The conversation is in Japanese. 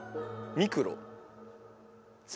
ミクロか。